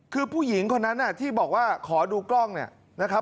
คือผู้หญิงคนนั้นที่บอกว่าขอดูกล้องเนี่ยนะครับ